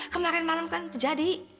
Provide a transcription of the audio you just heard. kemarin malam kan terjadi